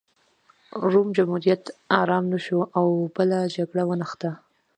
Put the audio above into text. روم جمهوریت ارام نه شو او بله جګړه ونښته